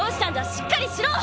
しっかりしろ！